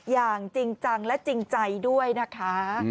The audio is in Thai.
อย่างจริงจังและจริงใจด้วยนะคะ